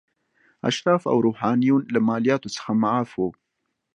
اشراف او روحانیون له مالیاتو څخه معاف وو.